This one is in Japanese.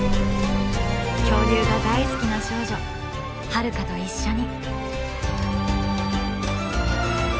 恐竜が大好きな少女ハルカと一緒に。